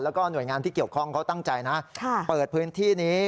แล้วก็หน่วยงานที่เกี่ยวข้องเขาตั้งใจนะเปิดพื้นที่นี้